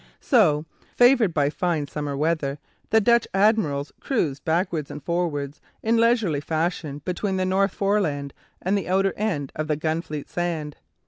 So, favoured by fine summer weather, the Dutch admirals cruised backwards and forwards in leisurely fashion between the North Foreland and the outer end of the Gunfleet Sand.